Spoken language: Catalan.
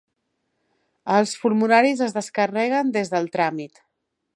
Els formularis es descarreguen des del tràmit.